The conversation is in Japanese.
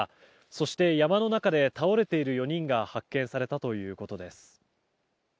そして山の中で倒れている４人が発見されたということです。